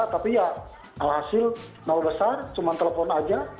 tapi ya alhasil mau besar cuma telepon saja